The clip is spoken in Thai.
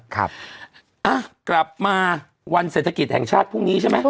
กลับมาวันเศรษฐกิจแห่งชาติพรุ่งนี้ใช่ไหม